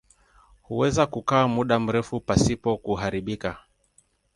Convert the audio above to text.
Huweza kukaa muda mrefu pasipo kuharibika.